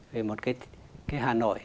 vì một cái hà nội